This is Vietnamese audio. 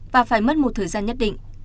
và phải mất một thời gian nhất định